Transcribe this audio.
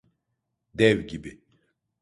Dev gibi.